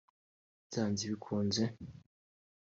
byanze bikunze